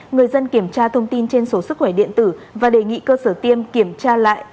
người dân kiểm tra thông tin trên số sức khỏe điện tử và đề nghị cơ sở tiêm kiểm tra lại